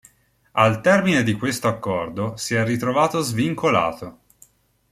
Al termine di questo accordo, si è ritrovato svincolato.